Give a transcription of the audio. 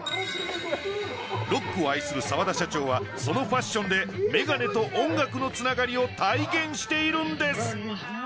ロックを愛する澤田社長はそのファッションでメガネと音楽のつながりを体現しているんです。